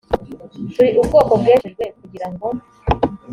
turi ubwoko bwejejwe kugira ngo